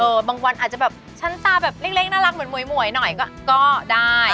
บางวันอาจจะแบบชั้นตาแบบเล็กน่ารักเหมือนหวยหน่อยก็ได้